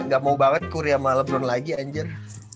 gak mau banget kuri sama lebron lagi anjir